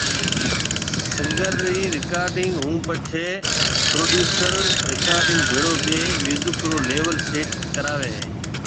سنگر ري رڪارڊنگ ھونپڇي پروڊيوسر رڪارسٽ ڀيڙو ٻيۿي ميوزڪ رو ليول سيٽ ڪراوي ھيَََ